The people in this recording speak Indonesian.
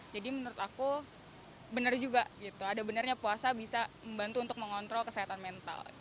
jadi menurut aku benar juga gitu ada benarnya puasa bisa membantu untuk mengontrol kesehatan mental